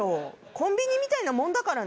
コンビニみたいなものだからね。